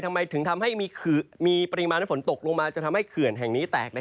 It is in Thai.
ทำไมถึงทำให้มีปริมาณฝนตกลงมาจนทำให้เขื่อนแห่งนี้แตก